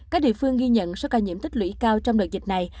các địa phương ghi nhận số ca nhiễm tích lũy cao trong đợt dịch này